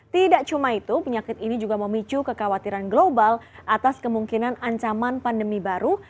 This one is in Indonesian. tidak cuma itu penyakit ini juga memicu kekhawatiran global atas kemungkinan ancaman pandemi baru